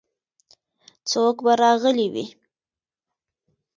څوک به راغلي وي.